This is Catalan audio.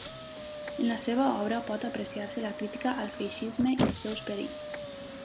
En la seva obra pot apreciar-se la crítica al feixisme i els seus perills.